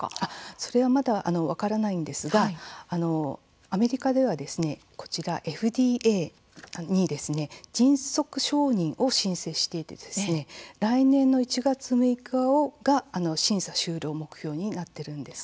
それは、まだ分からないんですがアメリカではこちら、ＦＤＡに迅速承認を申請していて来年の１月６日が審査終了目標になっているんです。